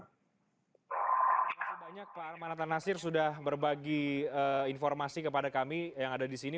terima kasih banyak pak armanata nasir sudah berbagi informasi kepada kami yang ada di sini